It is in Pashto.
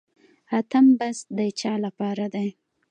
اتم بست د چا لپاره دی؟